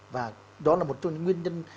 và đó là một trong những nguyên nhân